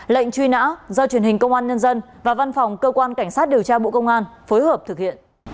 lệnh truy nã do truyền hình công an nhân dân và văn phòng cơ quan cảnh sát điều tra bộ công an phối hợp thực hiện